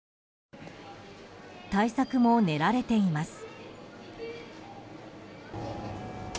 対策も練られています。